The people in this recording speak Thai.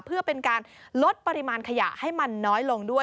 เพื่อเป็นการลดปริมาณขยะให้มันน้อยลงด้วย